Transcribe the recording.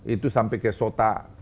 itu sampai ke sota